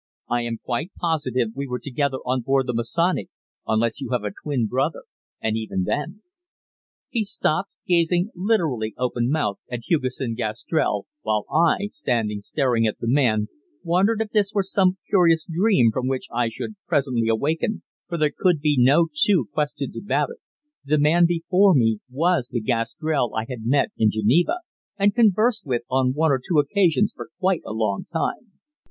"I am quite positive we were together on board the Masonic, unless you have a twin brother, and even then " He stopped, gazing literally open mouthed at Hugesson Gastrell, while I, standing staring at the man, wondered if this were some curious dream from which I should presently awaken, for there could be no two questions about it the man before me was the Gastrell I had met in Geneva and conversed with on one or two occasions for quite a long time.